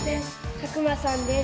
佐久間さんです。